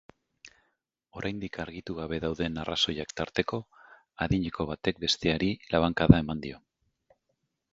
Oraindik argitu gabe dauden arrazoiak tarteko, adineko batek besteari labankada eman dio.